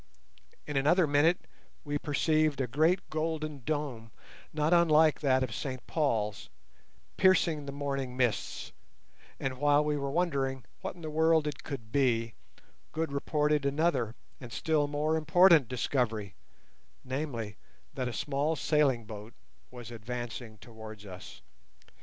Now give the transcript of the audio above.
In another minute we perceived a great golden dome, not unlike that of St Paul's, piercing the morning mists, and while we were wondering what in the world it could be, Good reported another and still more important discovery, namely, that a small sailing boat was advancing towards us.